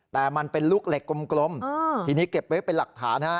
แต่มันเป็นลูกเหล็กกลมทีนี้เก็บไว้เป็นหลักฐานฮะ